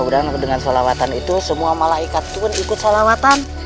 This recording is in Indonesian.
mudah mudahan dengan sholawatan itu semua malaikat itu ikut sholawatan